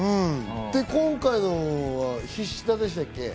今回のは菱田でしたっけ？